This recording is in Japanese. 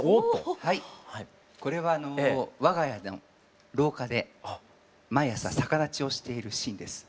これは我が家の廊下で毎朝逆立ちをしているシーンです。